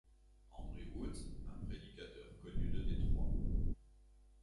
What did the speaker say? Andre Woods, un prédicateur connu de Détroit.